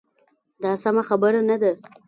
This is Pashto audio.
دا سمه خبره نه ده.